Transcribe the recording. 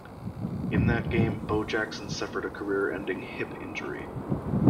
In that game Bo Jackson suffered a career-ending hip injury.